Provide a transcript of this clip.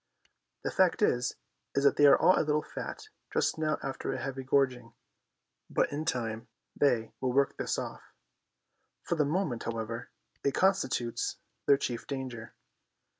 The fact is that they are all a little fat just now after the heavy gorging, but in time they will work this off. For the moment, however, it constitutes their chief danger.